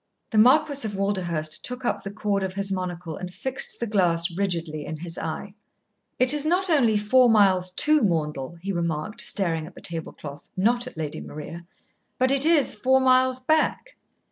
The Marquis of Walderhurst took up the cord of his monocle and fixed the glass rigidly in his eye. "It is not only four miles to Maundell," he remarked, staring at the table cloth, not at Lady Maria, "but it is four miles back."